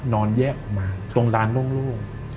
แยกออกมาตรงร้านโล่ง